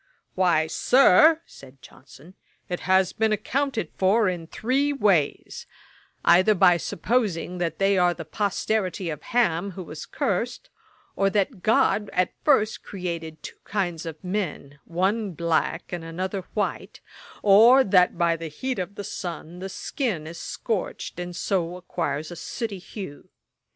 'Why, Sir, said (Johnson,) it has been accounted for in three ways: either by supposing that they are the posterity of Ham, who was cursed; or that GOD at first created two kinds of men, one black and another white; or that by the heat of the sun the skin is scorched, and so acquires a sooty hue.